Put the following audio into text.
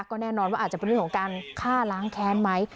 ก็แน่นอนว่าอาจจะเป็นเรื่องของการฆ่าล้างแค้นไหม